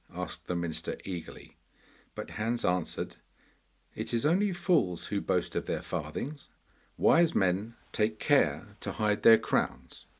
asked the minister eagerly, but Hans answered, 'It is only fools who boast of their farthings; wise men take care to hide their crowns.